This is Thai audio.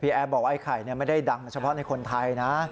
แอร์บอกไอ้ไข่ไม่ได้ดังเฉพาะในคนไทยนะ